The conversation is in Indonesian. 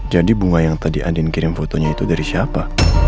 jadi bunga yang tadi andin kirim fotonya itu dari siapa